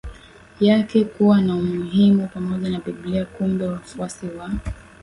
yake kuwa na umuhimu pamoja na Biblia Kumbe wafuasi wa